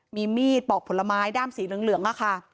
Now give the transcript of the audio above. มีมีดปอกผลไม้ด้ามสีเหลืองเหลืองอะค่ะ